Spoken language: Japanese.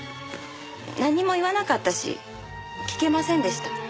何も言わなかったし聞けませんでした。